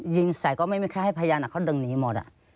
ยิงใส่ก็ไม่มีใครให้พยานเขาดึงหนีหมด